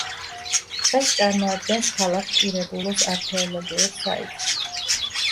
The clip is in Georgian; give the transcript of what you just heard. დღეს წარმოადგენს ქალაქ ტირებულუს არქეოლოგიურ საიტს.